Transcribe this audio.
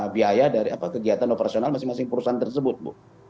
biaya dari kegiatan operasional masing masing perusahaan tersebut bu